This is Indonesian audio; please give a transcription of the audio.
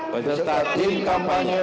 peserta tim kampanye